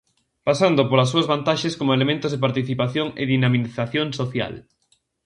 Pasando polas súas vantaxes como elementos de participación e dinamización social.